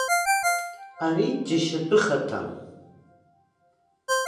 Ари џьашьатәыхаҭан.